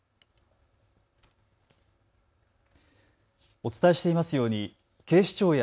お伝えしていますように警視庁や